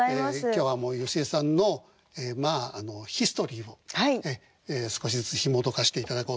今日は芳恵さんのヒストリーを少しずつひもとかしていただこうと思っています。